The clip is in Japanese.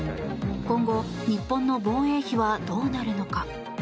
今後、日本の防衛費はどうなるのか。